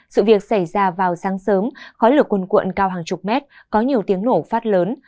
sự việc xảy ra vào sáng sớm khói lửa cun cuộn cao hàng chục mét có nhiều tiếng nổ phát lớn